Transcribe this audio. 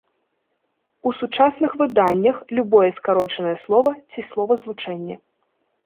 У сучасных выданнях любое скарочанае слова ці словазлучэнне.